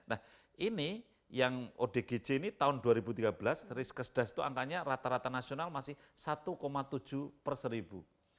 nah ini yang oggc ini tahun dua ribu tiga belas risk as dasar itu angkanya rata rata nasional masih satu tujuh perseribu